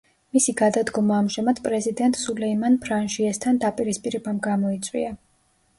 მისი გადადგომა ამჟამად პრეზიდენტ სულეიმან ფრანჟიესთან დაპირისპირებამ გამოიწვია.